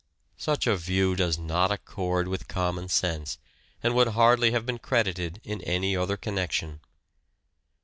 Such a view does not accord with common sense and would hardly have been credited in any other connection.